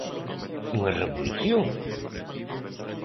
Unha revolución?